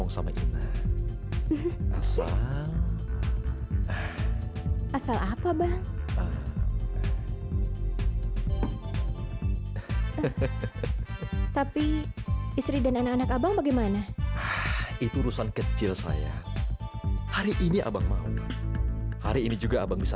sampai jumpa di video selanjutnya